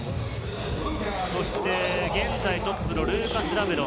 そして現在トップのルーカス・ラベロ。